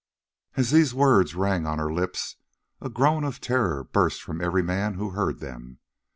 As these words rang on her lips a groan of terror burst from every man who heard them.